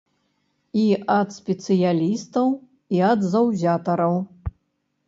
І ад спецыялістаў, і ад заўзятараў.